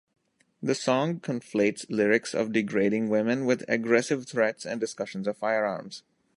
The song conflates lyrics of degrading women with aggressive threats and discussions of firearms.